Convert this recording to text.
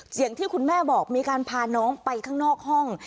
ที่คุณแม่บอกมีการพาน้องไปข้างนอกห้อง